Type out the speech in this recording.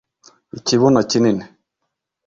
Ikibuno kinini